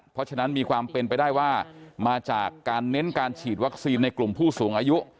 เพราะฉะนั้นมีความเป็นไปได้ว่ามาจากการเน้นการฉีดวัคซีนในกลุ่มผู้สูงอายุ